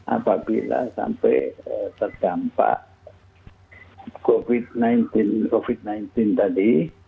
apabila sampai terdampak covid sembilan belas tadi